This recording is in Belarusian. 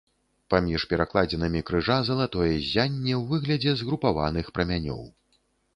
Паміж перакладзінамі крыжа залатое ззянне ў выглядзе згрупаваных прамянёў.